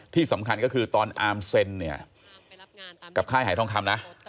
ที่สำคัญก็คือตอนอาร์มเซ็นเนี่ยกับค่ายหายทองคำนะ